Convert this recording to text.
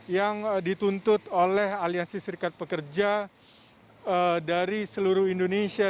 yang dituntut oleh aliansi serikat pekerja dari seluruh indonesia